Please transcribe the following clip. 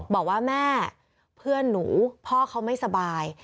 บอกว่าแม่เพื่อนหนูพ่อเขาไม่สบาย